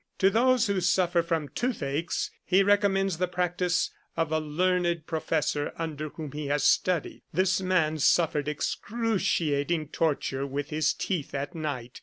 To those who suffer from toothaches he recom mends the practice of a learned professor under whom he studied. This man suffered excruciating torture from his teeth at night.